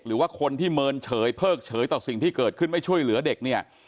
หรือว่าคนที่เมินเฉยเพิกเฉยต่อสิ่งที่เกิดขึ้นไม่ช่วยเหลือเด็กเนี่ย